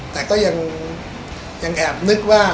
แต่ก็ยังแอบนึกว่า